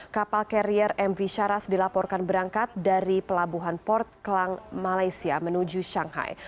kapal carrier mv syaras dilaporkan berangkat dari pelabuhan port kelang malaysia menuju shanghai